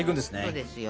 そうですよ。